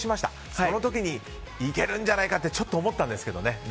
その時に、いけるんじゃないかとちょっと思ったんですけどね